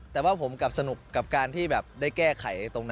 แต่ว่าผมกลับสนุกกับการที่แบบได้แก้ไขตรงนั้น